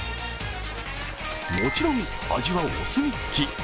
もちろん味はお墨付き。